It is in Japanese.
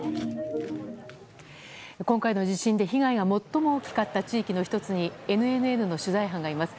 今回の地震で、被害が最も大きかった地域の１つにＮＮＮの取材班がいます。